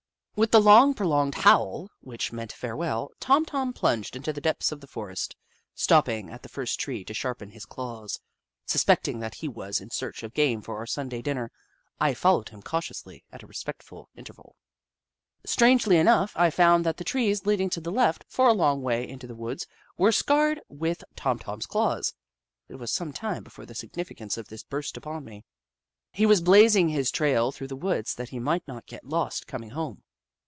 With the long, prolonged howl which meant farewell, Tom Tom plunged into the depths of the forest, stopping at the first tree to sharpen his claws. Suspecting that he was in search of game for our Sunday dinner, I followed him cautiously at a respectful in terval. Strangely enough, I found that the trees leading to the left, for a long way into the wood, were scarred with Tom Tom's claws. It was some time before the siofnificance of this burst upon me. He was blazing his trail through the woods that he might not get lost coming home.